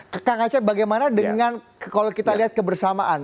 kak ngace bagaimana dengan kalau kita lihat kebersamaan